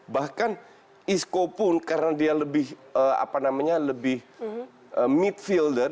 bahkan isco pun karena dia lebih apa namanya lebih midfielder